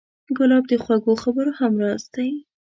ګلاب د خوږو خبرو همراز دی.